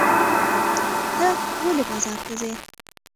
ته ولې بازار ته ځې؟